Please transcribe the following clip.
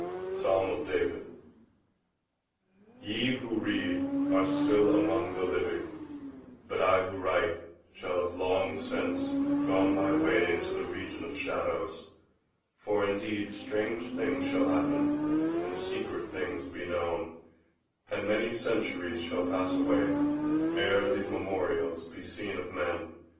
_ —Psalm of David. Ye who read are still among the living; but I who write shall have long since gone my way into the region of shadows. For indeed strange things shall happen, and secret things be known, and many centuries shall pass away, ere these memorials be seen of men.